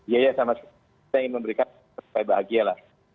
ya ya sama sama kita ingin memberikan kebahagiaan